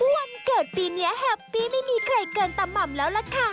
วันเกิดปีนี้แฮปปี้ไม่มีใครเกินตะหม่ำแล้วล่ะค่ะ